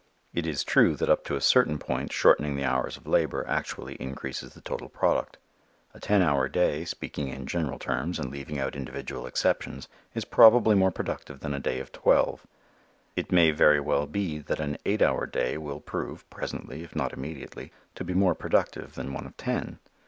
It is true that up to a certain point shortening the hours of labor actually increases the total product. A ten hour day, speaking in general terms and leaving out individual exceptions, is probably more productive than a day of twelve. It may very well be that an eight hour day will prove, presently if not immediately, to be more productive than one of ten.